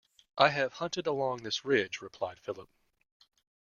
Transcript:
I have hunted along this ridge, replied Philip.